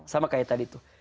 sama kayak tadi tuh